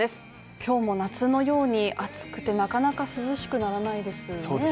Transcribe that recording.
今日も夏のように暑くてなかなか涼しくならないですよね